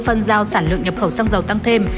phân giao sản lượng nhập khẩu xăng dầu tăng thêm